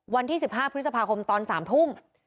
วันที่๑๕พฤษภาคมตอน๓ทุ่ม